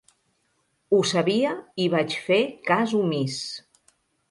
Ho sabia, i vaig fer cas omís.